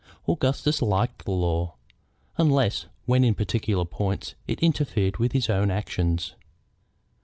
Augustus liked the law, unless when in particular points it interfered with his own actions.